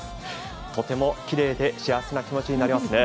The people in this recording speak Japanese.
とてもきれいで幸せな気持ちになりますね。